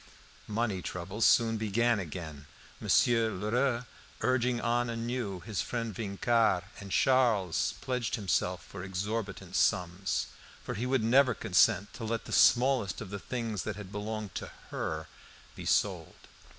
Money troubles soon began again, Monsieur Lheureux urging on anew his friend Vincart, and Charles pledged himself for exorbitant sums; for he would never consent to let the smallest of the things that had belonged to HER be sold.